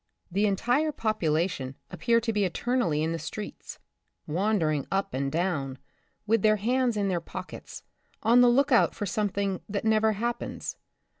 The entire population appear to be eternally in the streets, wandering up and down, with their hands in their pockets, on the lookout for something that never happens.